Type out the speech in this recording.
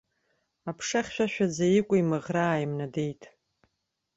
Аԥша хьшәашәаӡа икәа-имаӷра ааимнадеит.